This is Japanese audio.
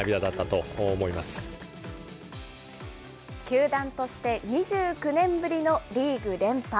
球団として２９年ぶりのリーグ連覇。